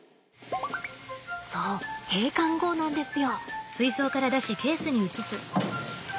そう閉館後なんですよ。